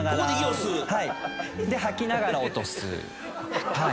吐きながら落とす。